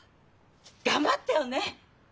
頑張ってよね！